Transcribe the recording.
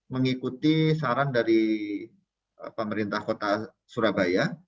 mengikuti saran dari pemerintah kota surabaya